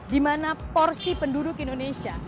di mana porsi penduduk indonesia